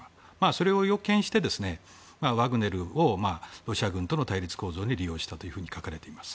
それを予見してワグネルをロシア軍との対立構造に利用したと書かれています。